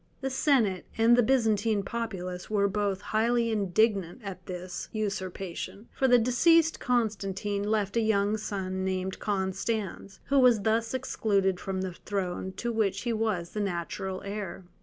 The senate and the Byzantine populace were both highly indignant at this usurpation, for the deceased Constantine left a young son named Constans, who was thus excluded from the throne to which he was the natural heir.